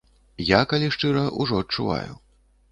Я, калі шчыра, ужо адчуваю.